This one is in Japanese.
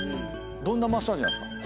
どんなマッサージなんですか？